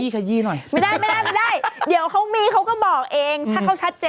ขยี้หน่อยไม่ได้ไม่ได้เดี๋ยวเขามีเขาก็บอกเองถ้าเขาชัดเจน